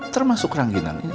termasuk rangginang ini